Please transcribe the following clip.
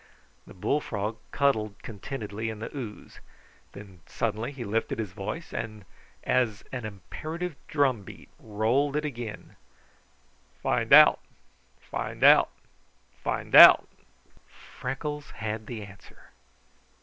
The bullfrog cuddled contentedly in the ooze. Then suddenly he lifted his voice, and, as an imperative drumbeat, rolled it again: "FIN' DOUT! FIN' DOUT! FIN DOUT!" Freckles had the answer.